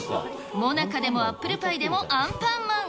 もなかでもアップルパイでもアンパンマン。